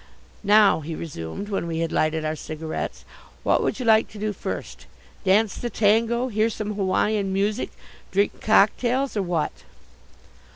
Now," he resumed, when we had lighted our cigarettes, "what would you like to do first? Dance the tango? Hear some Hawaiian music, drink cocktails, or what?"